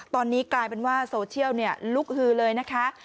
ตอนนี้กลายเป็นว่าโซเชียลลุกฮือเลยนะคะ